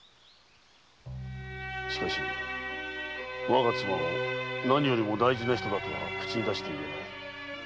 しかし我が妻を何よりも大事な人だとは口に出して言えない。